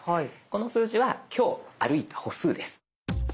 この数字は今日歩いた歩数です。